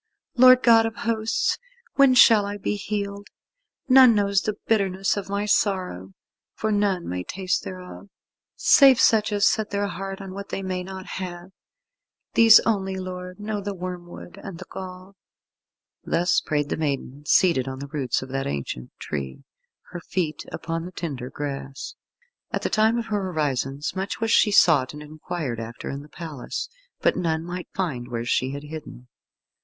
Lord God of Hosts, when shall I be healed? None knows the bitterness of my sorrow, for none may taste thereof, save such as set their heart on what they may not have. These only, Lord, know the wormwood and the gall." Thus prayed the maiden, seated on the roots of that ancient tree, her feet upon the tender grass. At the time of her orisons much was she sought and inquired after in the palace, but none might find where she had hidden.